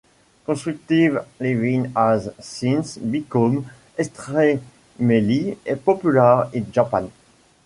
Constructive Living has since become extremely popular in Japan.